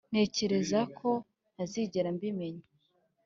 ntekereza ko ntazigera mbimenya